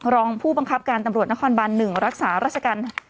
รองผู้บังคับการตำรวจนครบัน๑รักษาราชการ